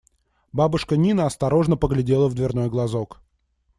Бабушка Нина осторожно поглядела в дверной глазок.